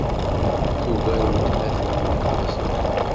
Tugar weltma-twen deg teɣzef.